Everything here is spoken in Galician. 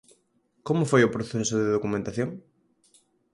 Como foi o proceso de documentación?